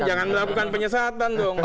jangan melakukan penyesatan dong